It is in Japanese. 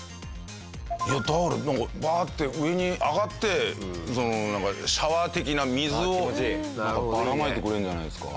だからなんかバーッて上に上がってシャワー的な水をばらまいてくれるんじゃないですか？